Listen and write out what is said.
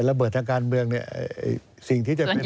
ระเบิดทางการเมืองส่วนใหญ่วงจรปิดเสียหมด